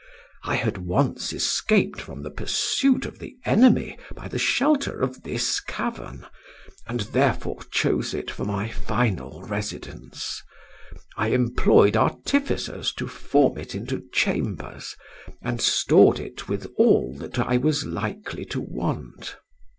I had once escaped from the pursuit of the enemy by the shelter of this cavern, and therefore chose it for my final residence. I employed artificers to form it into chambers, and stored it with all that I was likely to want.